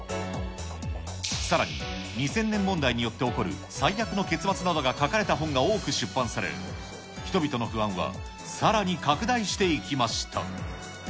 さらに、２０００年問題によって起こる最悪の結末などが書かれた本が多く出版され、人々の不安はさらに拡大していきました。